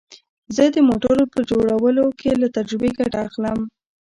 زه د موټرو په جوړولو کې له تجربې ګټه اخلم